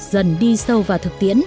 dần đi sâu vào thực tiễn